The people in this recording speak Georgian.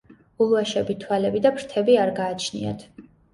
ულვაშები, თვალები და ფრთები არ გააჩნიათ.